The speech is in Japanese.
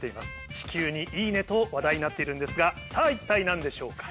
地球にいいねと話題になっているんですがさぁ一体何でしょうか？